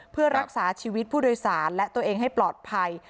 เพื่อรักษาชีวิตผู้โดยสารและตัวเองให้ปลอดภัย